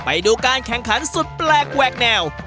ไปดูการแข่งขันสุดแปลกแหวกแนว